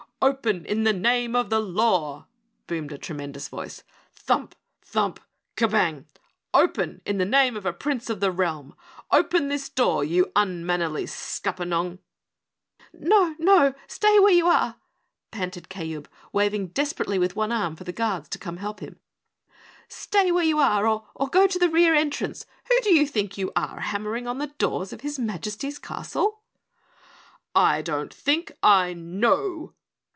"Open in the name of the LAW!" boomed a tremendous voice. "Thump! Thump! Kerbang! OPEN in the name of a Prince of the Realm! Open this door, you unmannerly Scuppernong!" "No, no, stay where you are!" panted Kayub, waving desperately with one arm for the guards to come help him. "Stay where you are, or go to the rear entrance! Who do you think you are, hammering on the doors of His Majesty's castle?" "I don't think, I know!"